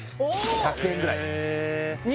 １００円ぐらいおっ！